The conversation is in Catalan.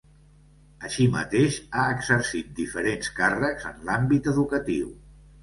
Així mateix, ha exercit diferents càrrecs en l’àmbit educatiu.